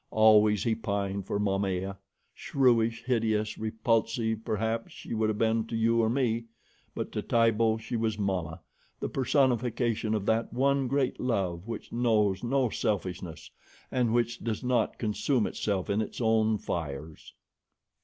Always he pined for Momaya shrewish, hideous, repulsive, perhaps, she would have been to you or me, but to Tibo she was mamma, the personification of that one great love which knows no selfishness and which does not consume itself in its own fires.